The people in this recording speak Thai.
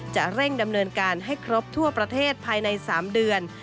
จะเร่งดำเนินการให้ครบทั่วประเทศภายใน๓เดือน